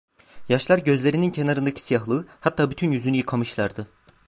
Yaşlar gözlerinin kenarındaki siyahlığı, hatta bütün yüzünü yıkamışlardı.